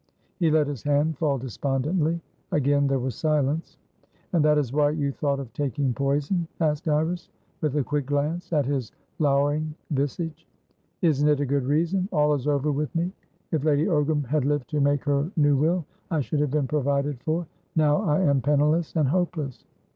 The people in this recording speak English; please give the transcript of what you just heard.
He let his hand fall despondently. Again there was silence. "And that is why you thought of taking poison?" asked Iris, with a quick glance at his lowering visage. "Isn't it a good reason? All is over with me. If Lady Ogram had lived to make her new will, I should have been provided for. Now I am penniless and hopeless."